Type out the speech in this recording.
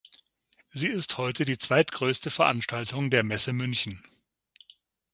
Sie ist heute die zweitgrößte Veranstaltung der Messe München.